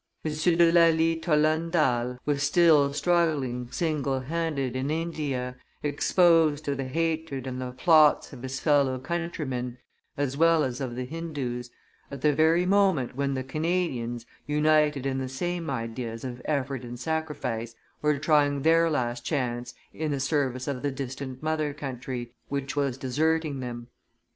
M. de Lally Tollendal was still struggling single handed in India, exposed to the hatred and the plots of his fellow countrymen as well as of the Hindoos, at the very moment when the Canadians, united in the same ideas of effort and sacrifice, were trying their last chance in the service of the distant mother country, which was deserting them.